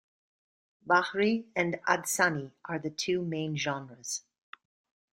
Bahri and Adsani are the two main genres.